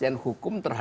itu adalah nama apa ya